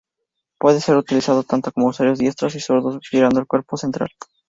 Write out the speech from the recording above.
Puede ser utilizado tanto por usuarios diestros y zurdos, girando el cuerpo central.